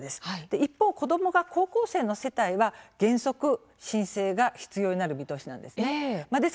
一方、子どもが高校生の世帯は原則申請が必要になる見通しなんです。